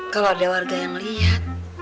kalo ada warga yang liat